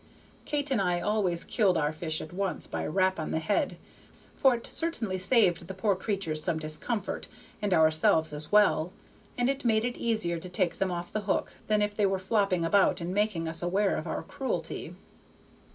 Kate and I always killed our fish at once by a rap on the head, for it certainly saved the poor creatures much discomfort, and ourselves as well, and it made it easier to take them off the hook than if they were flopping about and making us aware of our cruelty.